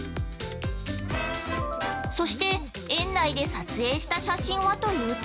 そして、園内で撮影した写真はというと。